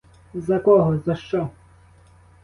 За кого, за що?